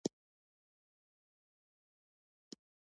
اوښ د افغانستان د بڼوالۍ یوه مهمه برخه ده.